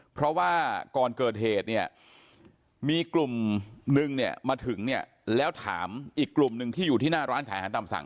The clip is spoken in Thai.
เพราะว่าก่อนเกิดเหตุเนี่ยมีกลุ่มนึงเนี่ยมาถึงเนี่ยแล้วถามอีกกลุ่มหนึ่งที่อยู่ที่หน้าร้านขายอาหารตามสั่ง